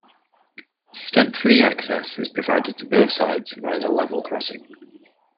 Step-free access is provided to both sides via the level crossing.